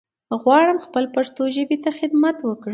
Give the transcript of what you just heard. غواړم خپل پښتو ژبې ته خدمت وکړم